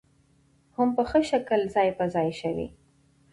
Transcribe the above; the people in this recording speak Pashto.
هم په ښه شکل ځاى په ځاى شوې